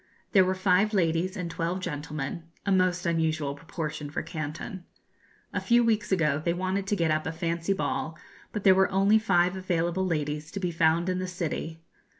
There were five ladies and twelve gentlemen a most unusual proportion for Canton. A few weeks ago they wanted to get up a fancy ball, but there were only five available ladies to be found in the city.